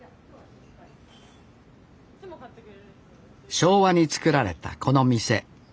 昭和に作られたこの店。